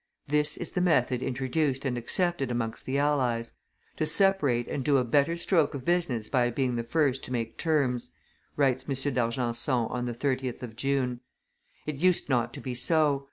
"This is the method introduced and accepted amongst the allies: to separate and do a better stroke of business by being the first to make terms," writes M. d'Argenson on 30th June; "it used not to be so.